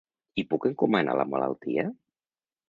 I puc encomanar la malaltia?